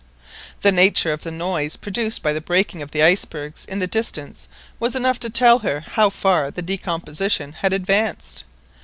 The nature of the noise produced by the breaking of the icebergs in the distance was enough to tell her how far the decomposition had advanced.